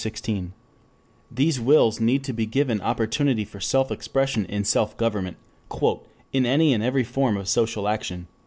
16.] These wills need to be given opportunity for self expression in self government "in any and every form of social action."